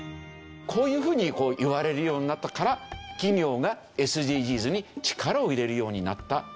こういうふうに言われるようになったから企業がＳＤＧｓに力を入れるようになった。